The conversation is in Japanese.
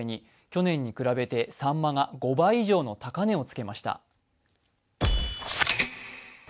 去年に比べて、さんまが５倍以上の高値をつけました。